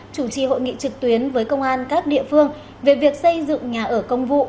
chủ trì hội nghị trực tuyến với công an các địa phương về việc xây dựng nhà ở công vụ